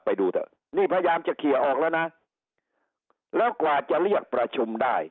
ไปดูเถอะนี่พยายามจะเคลียร์ออกแล้วนะแล้วกว่าจะเรียกประชุมได้